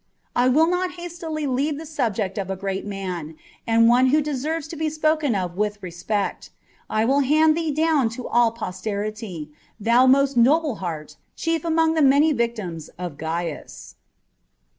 I will not hastily leave the subject of a great man, and one who deserves to be spoken of with respect : I will hand thee down to all posterity, thou most noble heart, chief among the many victims of Gains.